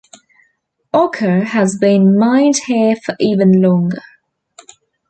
Ochre has been mined here for even longer.